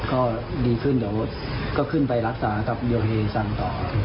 ก็ดีขึ้นเดี๋ยวก็ขึ้นไปรักษากับโยเฮซังต่อ